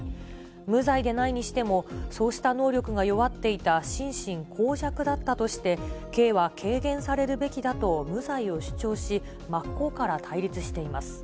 無罪でないにしても、そうした能力が弱っていた心神耗弱だったとして、刑は軽減されるべきだと無罪を主張し、真っ向から対立しています。